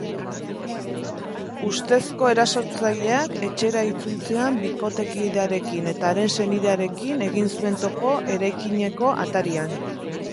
Ustezko erasotzaileak etxera itzultzean bikotekidearekin eta haren senidearekin egin zuen topo eraikineko atarian.